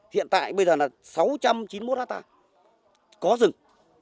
hiện tại bây giờ là sáu trăm chín mươi một hectare có rừng